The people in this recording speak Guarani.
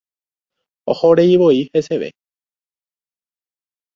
Ohoreivoi heseve.